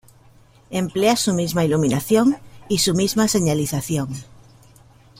Emplea su misma iluminación y su misma señalización.